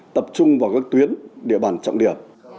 tập trung vào các tuyến địa bàn trọng điểm